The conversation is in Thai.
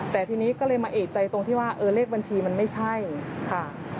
แต่ทีนี้ก็เลยมาเอกใจตรงที่ว่าเออเลขบัญชีมันไม่ใช่ค่ะ